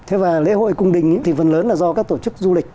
thế và lễ hội cung đình thì phần lớn là do các tổ chức du lịch